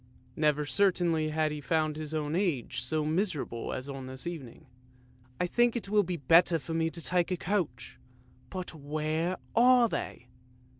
Never certainly had he found his own Age so miserable as on this evening. " I think it will be better for me to take a coach; but where are they?